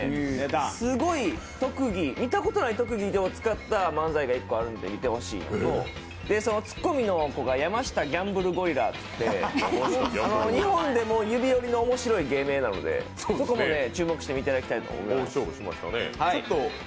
すごい特技、見たことのない特技を使った漫才があるので見てほしいのと、そのツッコミの子が山下ギャンブルゴリラって日本でも指折りの面白い芸名なので、注目していただきたいなと。